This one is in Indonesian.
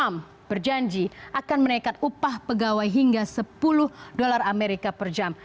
trump berjanji akan menaikkan upah pegawai hingga sepuluh dolar amerika per jam